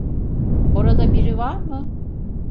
Orada biri var mı?